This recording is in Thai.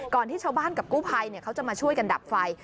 ที่ชาวบ้านกับกู้ภัยเขาจะมาช่วยกันดับไฟ